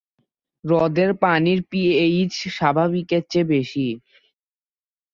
হ্রদের পানির পিএইচ স্বাভাবিকের চেয়ে বেশি।